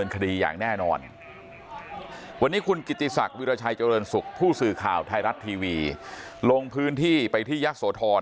เข้าเปิดปุ๊บพร้อม